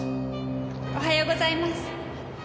おはようございます。